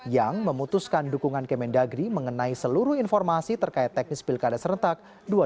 yang memutuskan dukungan kementerian dalam negeri mengenai seluruh informasi terkait teknis pilkada serentak dua ribu delapan belas